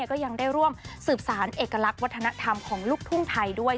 ก็ยังได้ร่วมสืบสารเอกลักษณ์วัฒนธรรมของลูกทุ่งไทยด้วย